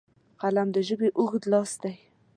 قلم د ژبې اوږد لاس دی